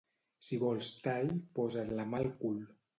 Si vols tall, posa't la mà al cul.